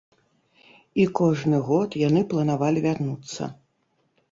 І кожны год яны планавалі вярнуцца.